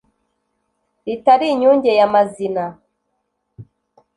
ritari inyunge ya mazina